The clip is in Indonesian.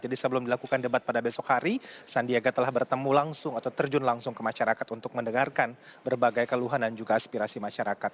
jadi sebelum dilakukan debat pada besok hari sandiaga telah bertemu langsung atau terjun langsung ke masyarakat untuk mendengarkan berbagai keluhan dan juga aspirasi masyarakat